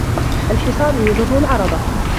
الْحِصَانُ يَجُرُّ الْعَرَبَةَ.